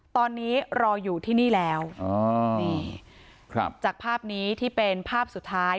ตอนนี้รออยู่ที่นี่แล้วจากภาพนี้ที่เป็นภาพสุดท้าย